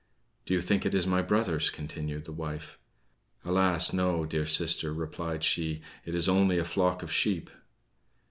"Do you think it is my brothers?" continued the wife. "Alas, no, dear sister," replied she, "it is only a flock of sheep!"